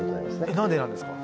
えっ何でなんですか？